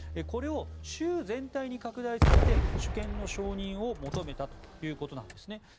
これを州全体に拡大させて主権の承認を求めたということなんですね。